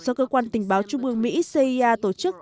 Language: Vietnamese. do cơ quan tình báo trung ương mỹ cia tổ chức